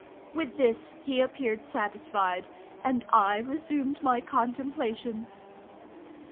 With this he appeared satisfied, and I resumed my contemplations.